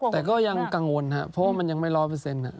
แต่ก็ยังกังวลครับเพราะว่ามันยังไม่ร้อยเปอร์เซ็นต์